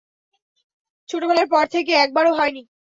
ছোটবেলার পর থেকে একবারও হয়নি।